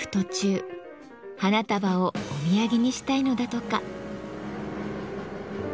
花束をお土産にしたいのだとか。